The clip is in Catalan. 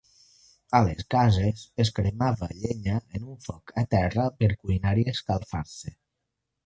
A les cases es cremava llenya en un foc a terra, per cuinar i escalfar-se.